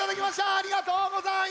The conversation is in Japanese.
ありがとうございます。